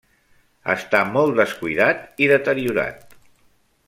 Està molt descuidat i deteriorat.